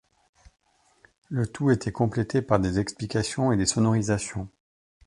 Le tout était complété par des explications et des sonorisations.